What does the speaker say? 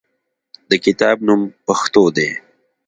د کتاب نوم "پښتو" دی.